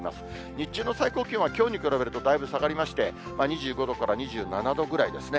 日中の最高気温はきょうに比べるとだいぶ下がりまして、２５度から２７度ぐらいですね。